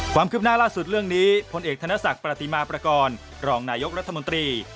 ความคืบหน้าล่าสุดเรื่องนี้พลเอกธนศักดิ์ประติมาประกอบรองนายกรัฐมนตรี